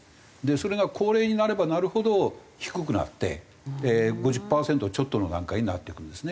それが高齢になればなるほど低くなって５０パーセントちょっとの段階になっていくんですね。